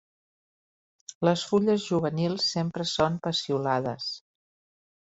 Les fulles juvenils sempre són peciolades.